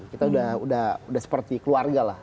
kita udah seperti keluarga lah